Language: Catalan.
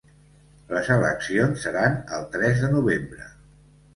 Les eleccions seran el tres de novembre.